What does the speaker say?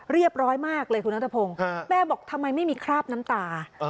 เรียบร้อยมากเลยคุณนัทพงศ์แม่บอกทำไมไม่มีคราบน้ำตา